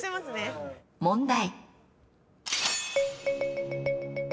問題。